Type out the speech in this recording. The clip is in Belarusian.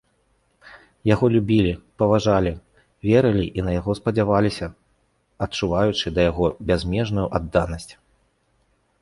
Яго любілі, паважалі, верылі і на яго спадзяваліся, адчуваючы да яго бязмежную адданасць.